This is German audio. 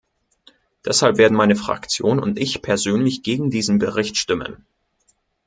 Deshalb werden meine Fraktion und ich persönlich gegen diesen Bericht stimmen.